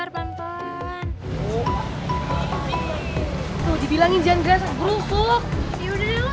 butuh banget kaldo